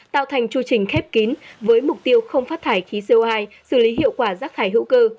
tạo thành chu trình khép kín với mục tiêu không phát thải khí co hai xử lý hiệu quả rác thải hữu cơ